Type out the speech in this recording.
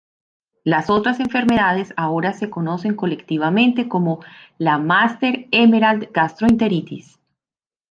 Las otras enfermedades ahora se conocen colectivamente como la máster emerald gastroenteritis.